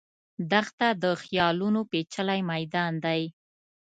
دښته د خیالونو پېچلی میدان دی.